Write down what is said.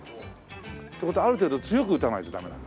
って事はある程度強く打たないとダメなんだ。